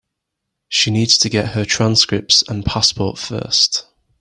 She needs to get her transcripts and passport first.